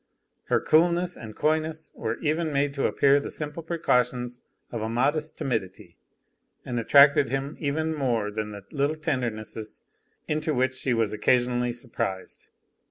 Her coolness and coyness were even made to appear the simple precautions of a modest timidity, and attracted him even more than the little tendernesses into which she was occasionally surprised.